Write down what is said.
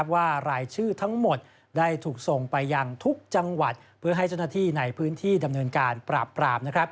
รายชื่อทั้งหมดได้ถูกส่งไปยังทุกจังหวัดเพื่อให้เจ้าหน้าที่ในพื้นที่ดำเนินการปราบปราม